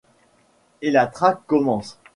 Et la traque commence.